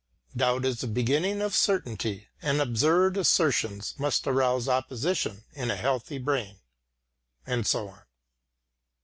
"Doubt is the beginning of certainty, and absurd assertions must arouse opposition in a healthy brain." And so on.